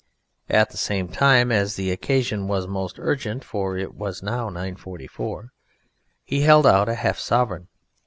At the same time as the occasion was most urgent (for it was now 9.44) he held out half a sovereign.